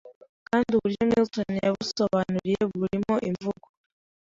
kandi uburyo Milton yabusobanuriye burimo imvugo